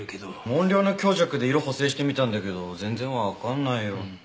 音量の強弱で色補正してみたんだけど全然わかんないよ。